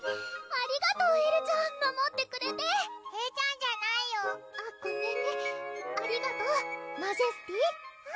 ありがとうエルちゃん守ってくれてえるちゃんじゃないよあっごめんねありがとうマジェスティ